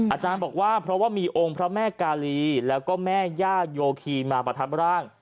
อาจารย์บอกว่าเพราะว่ามีองค์พระแม่กาลีแล้วก็แม่ย่าโยคีมาประทับร่าง